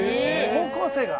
高校生が？